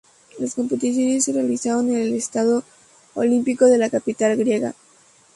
Las competiciones se realizaron en el Estadio Olímpico de la capital griega.